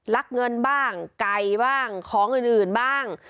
ลักเงินบ้างไก่บ้างของอื่นบ้าง